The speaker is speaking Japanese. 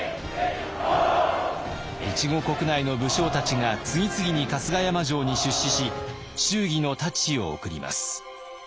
越後国内の武将たちが次々に春日山城に出仕し祝儀の太刀を贈ります。